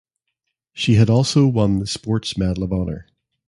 She had also won the Sports Medal of Honor.